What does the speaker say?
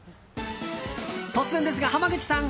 突然ですが濱口さん